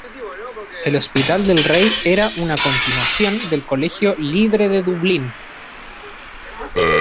El Hospital del Rey era una continuación del Colegio Libre del Dublín.